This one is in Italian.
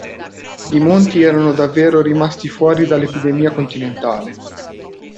I Monti erano davvero rimasti fuori dall'epidemia continentale.